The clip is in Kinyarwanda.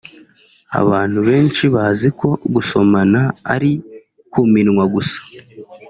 Abantu benshi baziko gusomana ari ku minwa gusa